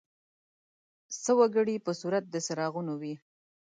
څه وګړي په صورت د څراغونو وي.